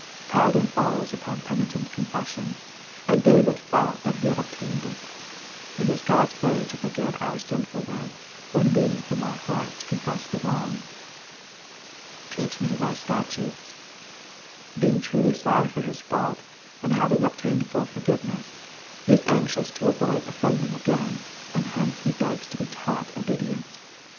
Pardon follows upon penitent confession, and David felt that he had obtained it. It is God's way to forgive our sinful way when we from our hearts confess the wrong. *^ Teach me thy statutes.'*^ Being truly sorry for his fault, and having obtained full forgiveness, he is anxious to avoid offending again, and hence he begs to be taught obedience.